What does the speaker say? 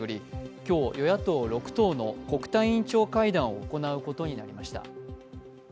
今日、与野党６党の国対委員長会談を行うことになりました。